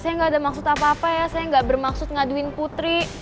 saya nggak ada maksud apa apa ya saya gak bermaksud ngaduin putri